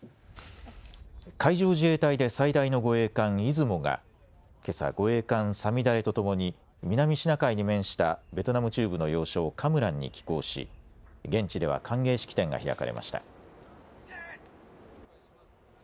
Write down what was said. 海上自衛隊で最大の護衛艦いずもがけさ、護衛艦さみだれとともに南シナ海に面したベトナム中部の要衝、カムランに寄港し現地では歓迎式典が開かれました。